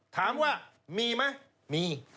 ถามว่ามีไหมมี